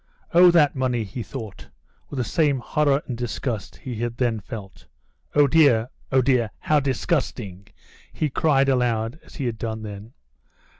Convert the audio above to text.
"Oh, that money!" he thought with the same horror and disgust he had then felt. "Oh, dear! oh, dear! how disgusting," he cried aloud as he had done then.